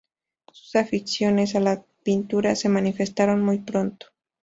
Sus aficiones a la pintura se manifestaron muy pronto.